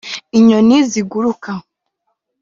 inyoni ziguruka